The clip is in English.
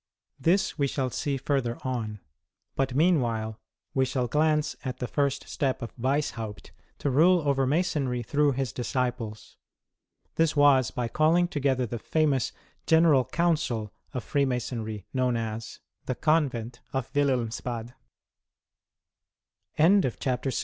This we shall see further on; but, meanwhile, we shall glance at the first step of Weishaupt to rule over Masonry through his disciples. This was by calling together the famous " General Council " of Freemasoniy, known as — VII. The Convent of Wilhelmsbad.